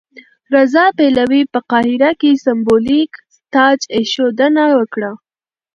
رضا پهلوي په قاهره کې سمبولیک تاجاېښودنه وکړه.